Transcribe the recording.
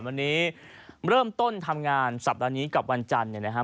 วันนี้เริ่มต้นทำงานสัปดาห์นี้กับวันจันทร์